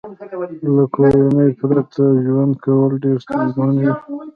له کورنۍ پرته ژوند کول ډېر ستونزمن وي